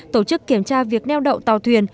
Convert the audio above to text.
tổ chức kiểm tra việc neo đậu tàu thuyền